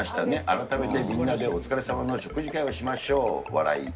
改めてみんなでお疲れさまの食事会をしましょう。笑。